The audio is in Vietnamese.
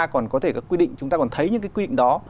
còn có thể quy định chúng ta còn thấy những cái quy định đó